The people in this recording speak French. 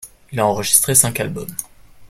Il a enregistré cinq albums.